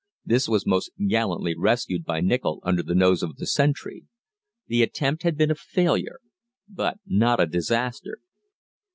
This was most gallantly rescued by Nichol under the nose of the sentry. The attempt had been a failure, but not a disaster.